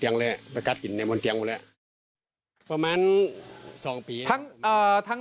ไปเข้าไปนัดกินออกบนเตียงแล้วประมาณสองปีทั้งทั้งสอง